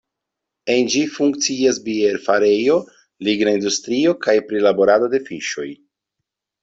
En ĝi funkcias bierfarejo, ligna industrio kaj prilaborado de fiŝoj.